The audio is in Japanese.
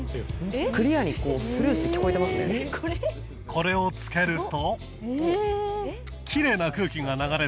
これを着けると。